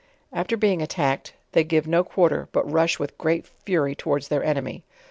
After being attacked, they give no quarter, ..but rush with great fury towards their enemy.